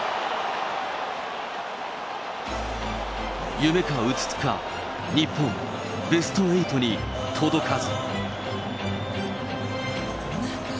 夢かうつつか、日本、ベスト８に届かず。